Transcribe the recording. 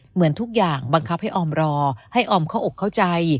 เหมือนทุกอย่างบังคับให้ออมรอให้ออมเข้าอกเข้าใจ